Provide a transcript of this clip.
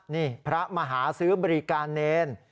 นี่พระมาหาซื้อบริการเนร